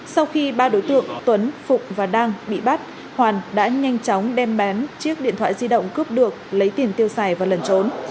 sau khi ba đối tượng tuấn phục và đang bị bắt hoàn đã nhanh chóng đem bán chiếc điện thoại di động cướp được lấy tiền tiêu xài và lần trốn